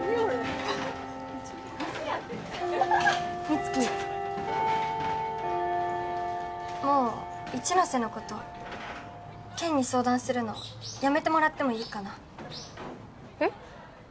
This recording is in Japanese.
美月もう一ノ瀬のこと健に相談するのやめてもらってもいいかなえっ？